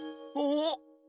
お。